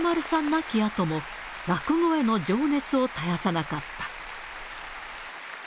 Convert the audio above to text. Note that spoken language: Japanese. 亡きあとも、落語への情熱を絶やさなかった。